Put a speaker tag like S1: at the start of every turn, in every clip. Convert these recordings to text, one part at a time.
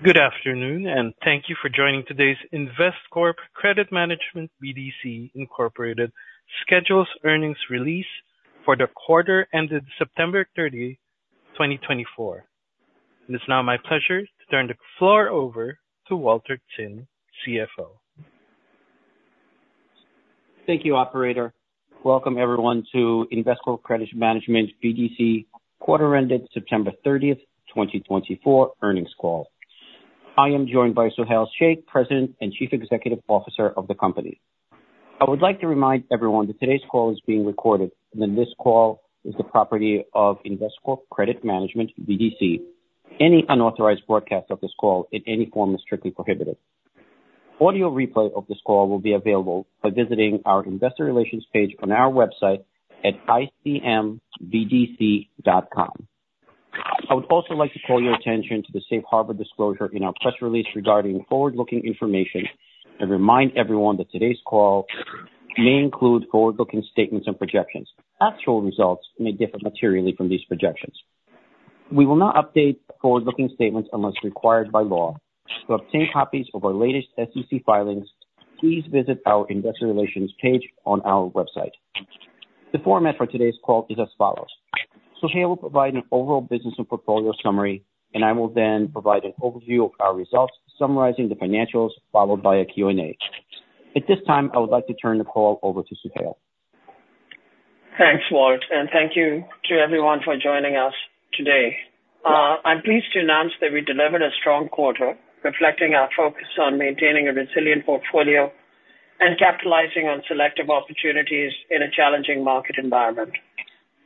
S1: Good afternoon, and thank you for joining today's Investcorp Credit Management BDC, Incorporated, Scheduled Earnings Release for the quarter ended September 30, 2024. It is now my pleasure to turn the floor over to Walter Tsin, CFO.
S2: Thank you, Operator. Welcome, everyone, to Investcorp Credit Management BDC quarter-ended September 30th, 2024 earnings call. I am joined by Suhail Shaikh, President and Chief Executive Officer of the company. I would like to remind everyone that today's call is being recorded, and this call is the property of Investcorp Credit Management BDC. Any unauthorized broadcast of this call in any form is strictly prohibited. Audio replay of this call will be available by visiting our investor relations page on our website at icmbdc.com. I would also like to call your attention to the safe harbor disclosure in our press release regarding forward-looking information and remind everyone that today's call may include forward-looking statements and projections. Actual results may differ materially from these projections. We will not update forward-looking statements unless required by law. To obtain copies of our latest SEC filings, please visit our investor relations page on our website. The format for today's call is as follows. Suhail will provide an overall business and portfolio summary, and I will then provide an overview of our results, summarizing the financials, followed by a Q&A. At this time, I would like to turn the call over to Suhail.
S3: Thanks, Walt, and thank you to everyone for joining us today. I'm pleased to announce that we delivered a strong quarter, reflecting our focus on maintaining a resilient portfolio and capitalizing on selective opportunities in a challenging market environment.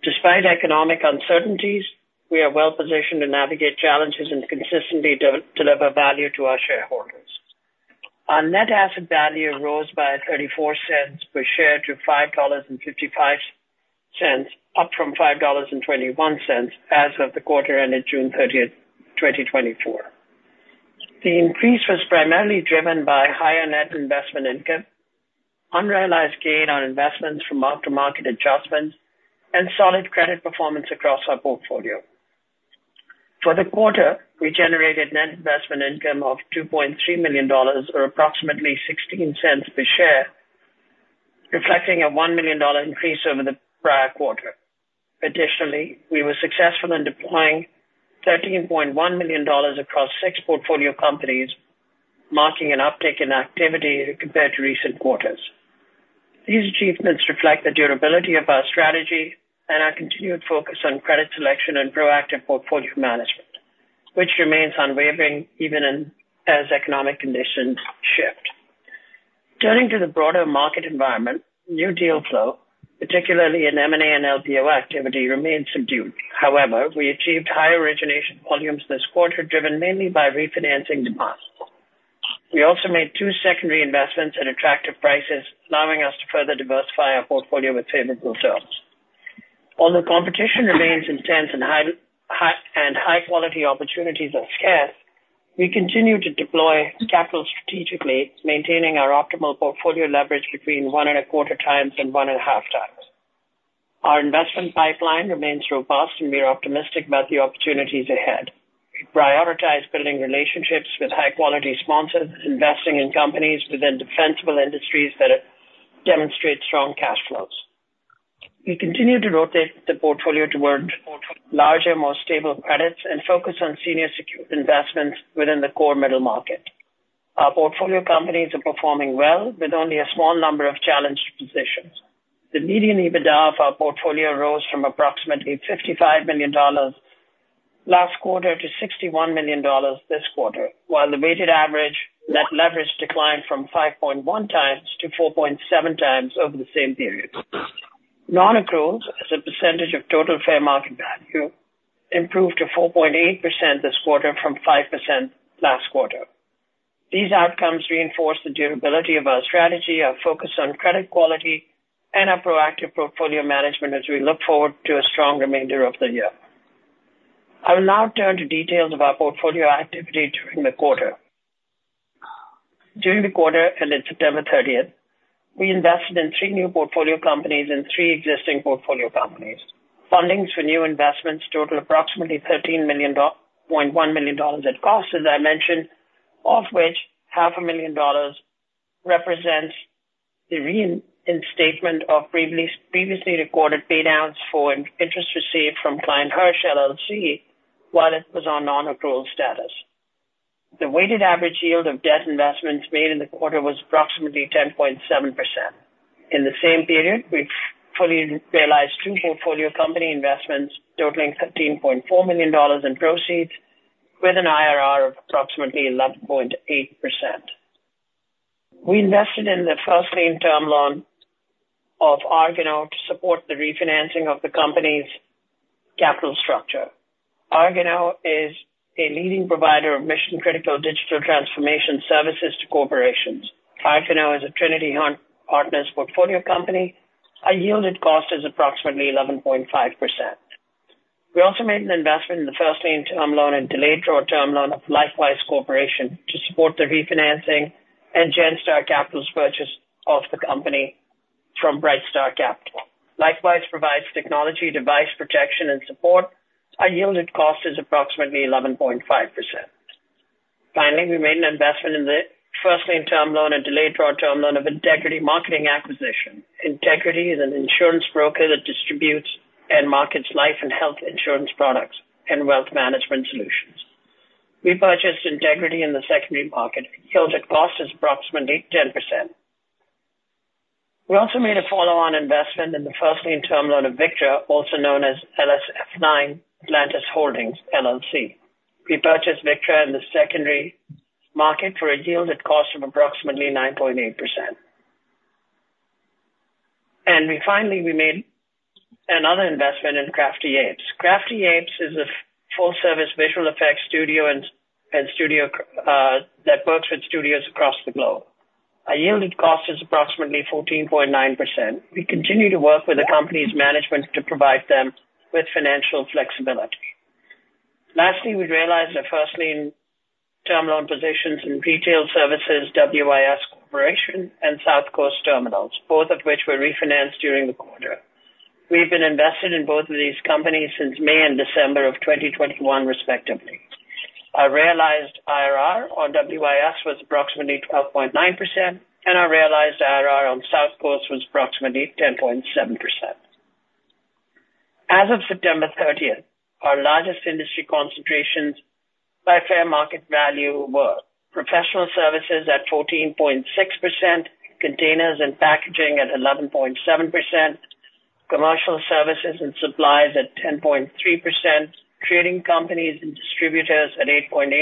S3: Despite economic uncertainties, we are well positioned to navigate challenges and consistently deliver value to our shareholders. Our net asset value rose by $0.34 per share to $5.55, up from $5.21 as of the quarter ended June 30th, 2024. The increase was primarily driven by higher net investment income, unrealized gain on investments from after-market adjustments, and solid credit performance across our portfolio. For the quarter, we generated net investment income of $2.3 million, or approximately $0.16 per share, reflecting a $1 million increase over the prior quarter. Additionally, we were successful in deploying $13.1 million across six portfolio companies, marking an uptick in activity compared to recent quarters. These achievements reflect the durability of our strategy and our continued focus on credit selection and proactive portfolio management, which remains unwavering even as economic conditions shift. Turning to the broader market environment, new deal flow, particularly in M&A and LBO activity, remains subdued. However, we achieved higher origination volumes this quarter, driven mainly by refinancing demand. We also made two secondary investments at attractive prices, allowing us to further diversify our portfolio with favorable terms. Although competition remains intense and high-quality opportunities are scarce, we continue to deploy capital strategically, maintaining our optimal portfolio leverage between one and a quarter times and one and a half times. Our investment pipeline remains robust, and we are optimistic about the opportunities ahead. We prioritize building relationships with high-quality sponsors, investing in companies within defensible industries that demonstrate strong cash flows. We continue to rotate the portfolio toward larger, more stable credits and focus on senior security investments within the core middle market. Our portfolio companies are performing well, with only a small number of challenged positions. The median EBITDA of our portfolio rose from approximately $55 million last quarter to $61 million this quarter, while the weighted average net leverage declined from 5.1 x to 4.7 x over the same period. Non-accruals, as a percentage of total fair market value, improved to 4.8% this quarter from 5% last quarter. These outcomes reinforce the durability of our strategy, our focus on credit quality, and our proactive portfolio management as we look forward to a strong remainder of the year. I will now turn to details of our portfolio activity during the quarter. During the quarter, and on September 30th, we invested in three new portfolio companies and three existing portfolio companies. Fundings for new investments totaled approximately $13.1 million at cost, as I mentioned, of which $500,000 represents the reinstatement of previously recorded paydowns for interest received from Klein Hersh, LLC, while it was on non-accrual status. The weighted average yield of debt investments made in the quarter was approximately 10.7%. In the same period, we fully realized two portfolio company investments totaling $13.4 million in proceeds, with an IRR of approximately 11.8%. We invested in the first lien term loan of Argano to support the refinancing of the company's capital structure. Argano is a leading provider of mission-critical digital transformation services to corporations. Argano is a Trinity Hunt Partners portfolio company. Our yielded cost is approximately 11.5%. We also made an investment in the first lien term loan and delayed draw term loan of Likewize Corporation to support the refinancing and Genstar Capital's purchase of the company from Brightstar Capital. Likewise provides technology device protection and support. Our yielded cost is approximately 11.5%. Finally, we made an investment in the first lien term loan and delayed draw term loan of Integrity Marketing Acquisition. Integrity is an insurance broker that distributes and markets life and health insurance products and wealth management solutions. We purchased Integrity in the secondary market. Yielded cost is approximately 10%. We also made a follow-on investment in the first lien term loan of Victra, also known as LSF9 Atlantis Holdings, LLC. We purchased Victra in the secondary market for a yielded cost of approximately 9.8%. And finally, we made another investment in Crafty Apes. Crafty Apes is a full-service visual effects studio and studio that works with studios across the globe. Our yielded cost is approximately 14.9%. We continue to work with the company's management to provide them with financial flexibility. Lastly, we realized our first lien term loan positions in retail services, WIS Corporation, and South Coast Terminals, both of which were refinanced during the quarter. We've been invested in both of these companies since May and December of 2021, respectively. Our realized IRR on WIS was approximately 12.9%, and our realized IRR on South Coast was approximately 10.7%. As of September 30th, our largest industry concentrations by fair market value were professional services at 14.6%, containers and packaging at 11.7%, commercial services and supplies at 10.3%, trading companies and distributors at 8.8%,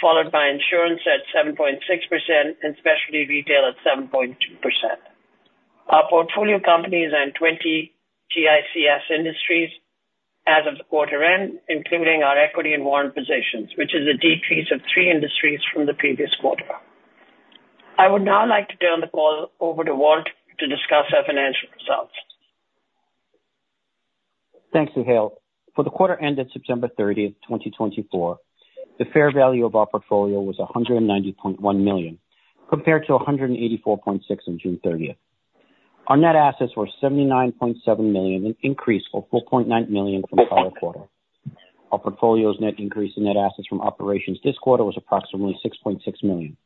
S3: followed by insurance at 7.6%, and specialty retail at 7.2%. Our portfolio companies and 20 GICS industries as of the quarter end, including our equity and warrant positions, which is a decrease of three industries from the previous quarter. I would now like to turn the call over to Walt to discuss our financial results.
S2: Thanks, Suhail. For the quarter ended September 30, 2024, the fair value of our portfolio was $190.1 million, compared to $184.6 million on June 30. Our net assets were $79.7 million, an increase of $4.9 million from prior quarter. Our portfolio's net increase in net assets from operations this quarter was approximately $6.6 million.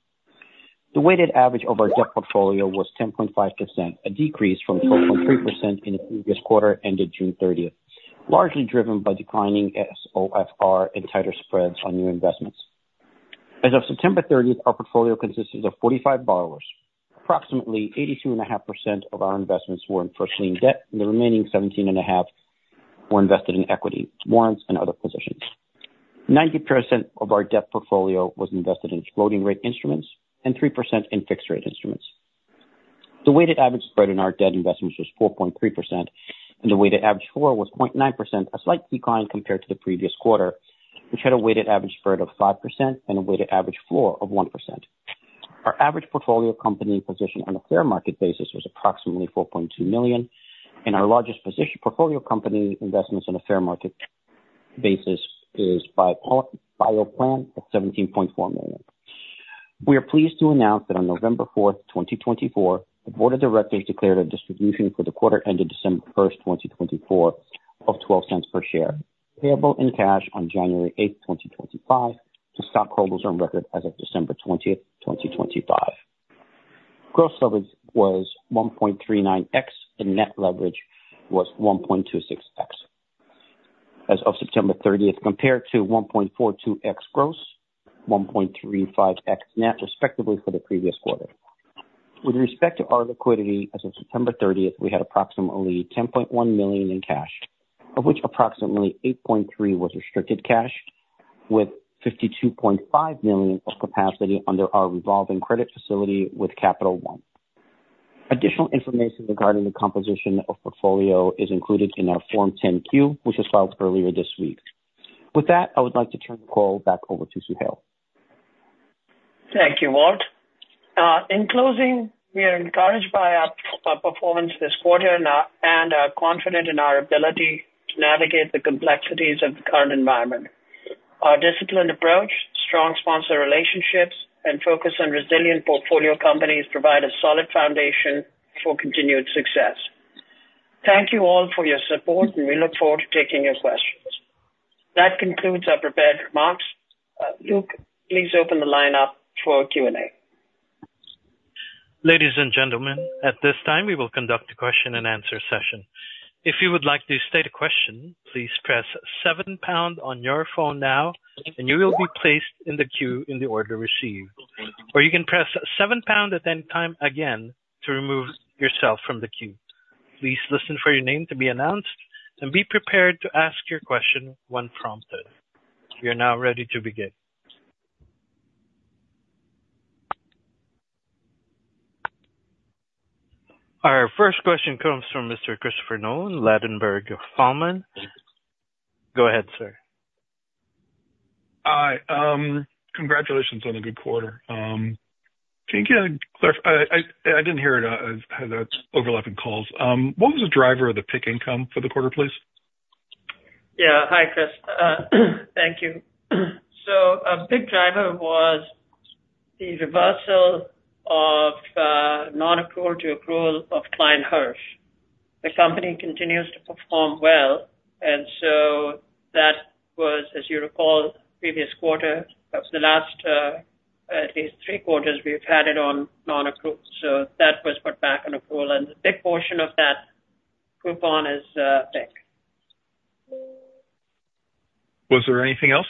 S2: The weighted average of our debt portfolio was 10.5%, a decrease from 12.3% in the previous quarter ended June 30th, largely driven by declining SOFR and tighter spreads on new investments. As of September 30, our portfolio consisted of 45 borrowers. Approximately 82.5% of our investments were in first lien debt, and the remaining 17.5% were invested in equity, warrants, and other positions. 90% of our debt portfolio was invested in floating-rate instruments and 3% in fixed-rate instruments. The weighted average spread in our debt investments was 4.3%, and the weighted average floor was 0.9%, a slight decline compared to the previous quarter, which had a weighted average spread of 5% and a weighted average floor of 1%. Our average portfolio company position on a fair market basis was approximately $4.2 million, and our largest portfolio company investments on a fair market basis is BioPlan at $17.4 million. We are pleased to announce that on November 4th, 2024, the board of directors declared a distribution for the quarter ended December 1st, 2024, of $0.12 per share, payable in cash on January 8, 2025, to Stockholders on Record as of December 20, 2025. Gross leverage was 1.39x, and net leverage was 1.26x as of September 30th, compared to 1.42x gross, 1.35x net, respectively, for the previous quarter. With respect to our liquidity, as of September 30th, we had approximately $10.1 million in cash, of which approximately $8.3 million was restricted cash, with $52.5 million of capacity under our revolving credit facility with Capital One. Additional information regarding the composition of portfolio is included in our Form 10-Q, which was filed earlier this week. With that, I would like to turn the call back over to Suhail.
S3: Thank you, Walt. In closing, we are encouraged by our performance this quarter and are confident in our ability to navigate the complexities of the current environment. Our disciplined approach, strong sponsor relationships, and focus on resilient portfolio companies provide a solid foundation for continued success. Thank you all for your support, and we look forward to taking your questions. That concludes our prepared remarks. Luke, please open the line up for Q&A.
S1: Ladies and gentlemen, at this time, we will conduct a question-and-answer session. If you would like to state a question, please press star seven on your phone now, and you will be placed in the queue in the order received. Or you can press star seven at any time again to remove yourself from the queue. Please listen for your name to be announced and be prepared to ask your question when prompted. We are now ready to begin. Our first question comes from Mr. Christopher Nolan, Ladenburg Thalmann. Go ahead, sir.
S4: Hi. Congratulations on a good quarter. Can you clarify? I didn't hear it as overlapping calls. What was the driver of the peak income for the quarter, please?
S3: Yeah. Hi, Chris. Thank you. So a big driver was the reversal of non-accrual to accrual of Klein Hersh. The company continues to perform well, and so that was, as you recall, previous quarter. The last, at least, three quarters, we've had it on non-accrual. So that was put back on accrual, and a big portion of that coupon is big.
S4: Was there anything else?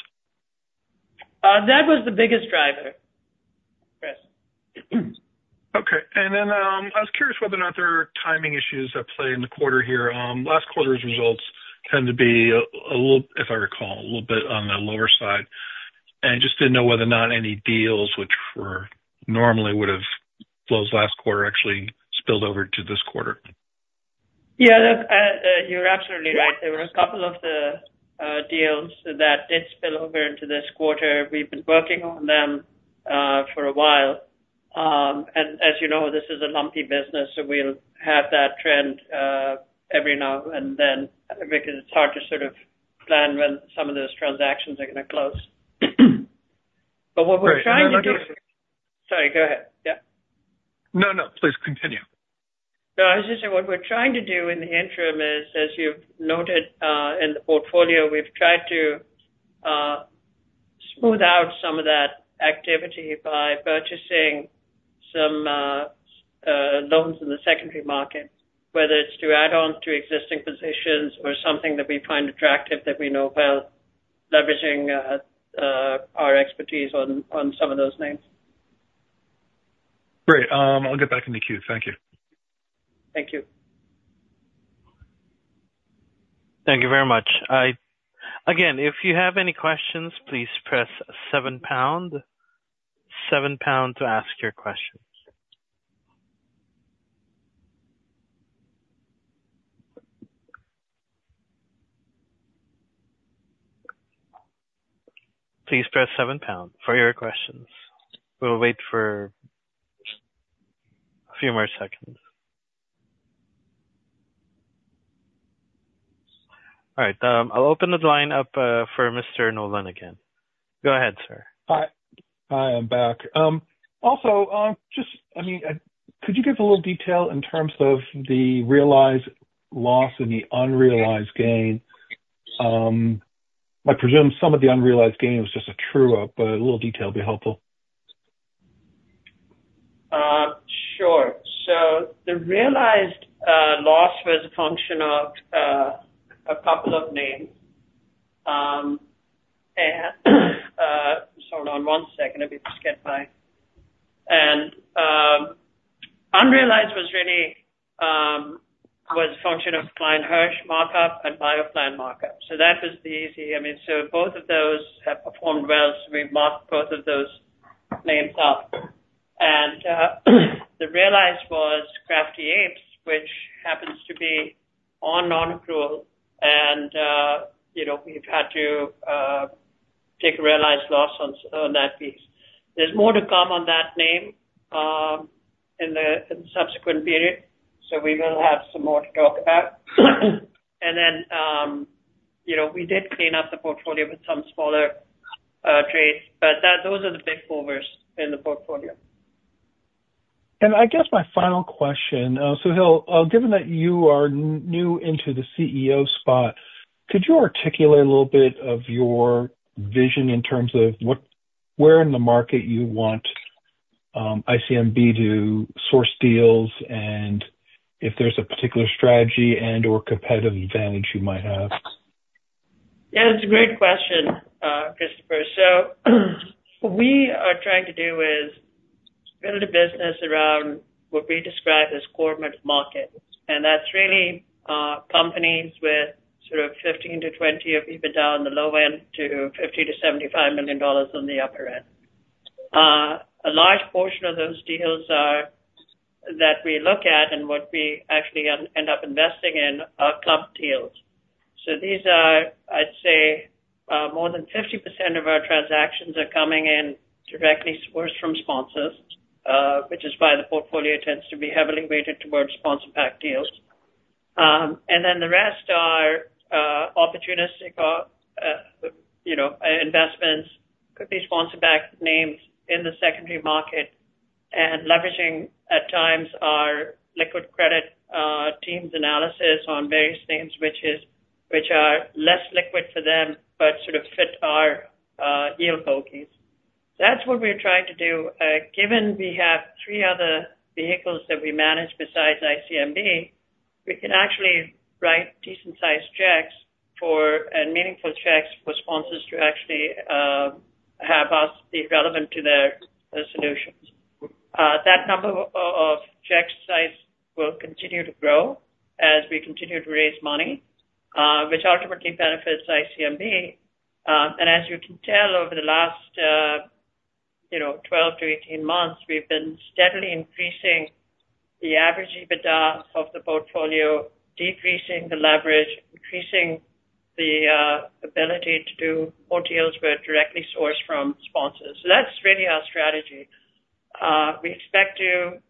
S3: That was the biggest driver, Chris.
S4: Okay. And then I was curious whether or not there are timing issues at play in the quarter here. Last quarter's results tend to be, if I recall, a little bit on the lower side. And I just didn't know whether or not any deals, which normally would have closed last quarter, actually spilled over to this quarter.
S3: Yeah. You're absolutely right. There were a couple of the deals that did spill over into this quarter. We've been working on them for a while. And as you know, this is a lumpy business, so we'll have that trend every now and then because it's hard to sort of plan when some of those transactions are going to close. But what we're trying to do. Go ahead, Chris. Sorry. Go ahead. Yeah.
S4: No, no. Please continue.
S3: No. I was just saying what we're trying to do in the interim is, as you've noted in the portfolio, we've tried to smooth out some of that activity by purchasing some loans in the secondary market, whether it's to add on to existing positions or something that we find attractive that we know about, leveraging our expertise on some of those names.
S4: Great. I'll get back in the queue. Thank you.
S3: Thank you.
S1: Thank you very much. Again, if you have any questions, please press seven pound to ask your questions. Please press seven pound for your questions. We'll wait for a few more seconds. All right. I'll open the line up for Mr. Nolan again. Go ahead, sir.
S4: Hi. Hi. I'm back. Also, just, I mean, could you give a little detail in terms of the realized loss and the unrealized gain? I presume some of the unrealized gain was just a true-up, but a little detail would be helpful.
S3: Sure. So the realized loss was a function of a couple of names. And hold on one second. Let me just get my... And unrealized was really a function of Klein Hersh markup and BioPlan markup. So that was the easy. I mean, so both of those have performed well. So we've marked both of those names up. And the realized was Crafty Apes, which happens to be on non-accrual, and we've had to take a realized loss on that piece. There's more to come on that name in the subsequent period, so we will have some more to talk about. And then we did clean up the portfolio with some smaller trades, but those are the big movers in the portfolio.
S4: And I guess my final question, Suhail, given that you are new into the CEO spot, could you articulate a little bit of your vision in terms of where in the market you want ICMB to source deals and if there's a particular strategy and/or competitive advantage you might have?
S3: Yeah. That's a great question, Christopher. So what we are trying to do is build a business around what we describe as corporate markets, and that's really companies with sort of 15-20, or even down the low end, to $50-$75 million on the upper end. A large portion of those deals that we look at and what we actually end up investing in are club deals, so these are. I'd say, more than 50% of our transactions are coming in directly sourced from sponsors, which is why the portfolio tends to be heavily weighted towards sponsor-backed deals, and then the rest are opportunistic investments, could be sponsor-backed names in the secondary market, and leveraging, at times, our liquid credit teams' analysis on various names which are less liquid for them but sort of fit our yield bogeys. That's what we're trying to do. Given we have three other vehicles that we manage besides ICMB, we can actually write decent-sized checks and meaningful checks for sponsors to actually have us be relevant to their solutions. That number of check size will continue to grow as we continue to raise money, which ultimately benefits ICMB. And as you can tell, over the last 12-18 months, we've been steadily increasing the average EBITDA of the portfolio, decreasing the leverage, increasing the ability to do more deals where it directly sourced from sponsors. So that's really our strategy. We expect to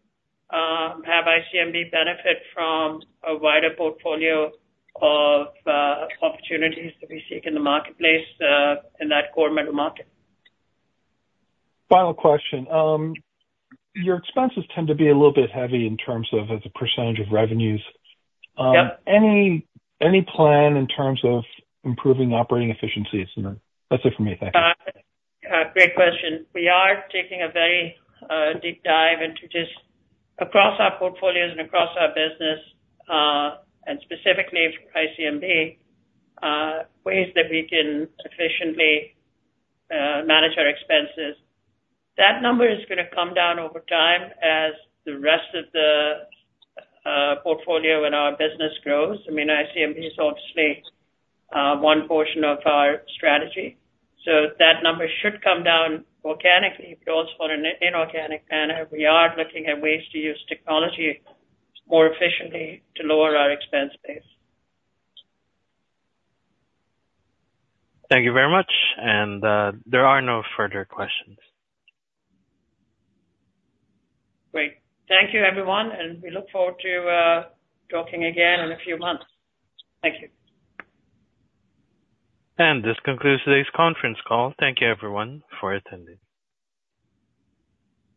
S3: have ICMB benefit from a wider portfolio of opportunities that we seek in the marketplace in that middle market.
S4: Final question. Your expenses tend to be a little bit heavy in terms of the percentage of revenues. Any plan in terms of improving operating efficiencies? And that's it for me. Thank you.
S3: Great question. We are taking a very deep dive into just across our portfolios and across our business, and specifically for ICMB, ways that we can efficiently manage our expenses. That number is going to come down over time as the rest of the portfolio and our business grows. I mean, ICMB is obviously one portion of our strategy. So that number should come down organically, but also in an inorganic manner. We are looking at ways to use technology more efficiently to lower our expense base.
S1: Thank you very much, and there are no further questions.
S3: Great. Thank you, everyone, and we look forward to talking again in a few months. Thank you.
S1: This concludes today's conference call. Thank you, everyone, for attending.